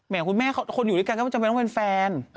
อย่างคุณแม่คนอยู่ด้วยกันต้องใช้แฟน